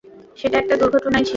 সেটা একটা দূর্ঘটনায় ছিল।